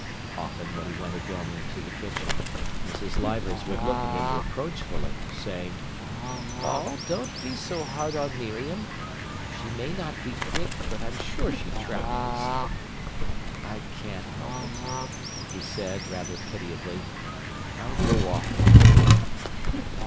Often, when he went again into the kitchen, Mrs. Leivers would look at him reproachfully, saying: "Paul, don't be so hard on Miriam. She may not be quick, but I'm sure she tries." "I can't help it," he said rather pitiably. "I go off like it."